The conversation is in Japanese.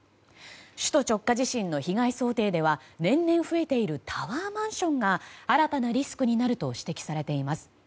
首都直下地震の被害想定では年々増えているタワーマンションが新たなリスクになると指摘されています。